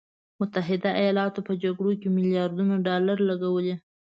متحده ایالاتو په جګړو کې میلیارډونه ډالر لګولي.